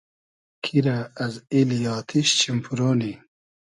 کی رۂ از ایلی آتیش چیم پورۉ نی